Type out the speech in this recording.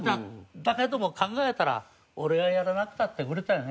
だけども考えたら俺がやらなくたって売れたよねと。